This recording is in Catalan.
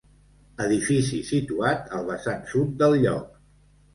Edifici situat al vessant sud del lloc.